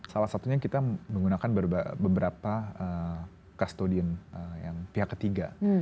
salah satunya kita menggunakan beberapa kastodin pihak ketiga